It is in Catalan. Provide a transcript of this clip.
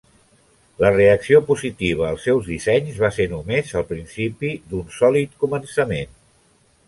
La reacció positiva als seus dissenys va ser només el principi d'un sòlid començament.